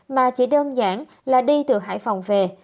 mà chỉ đơn giản là đi từ hải phòng về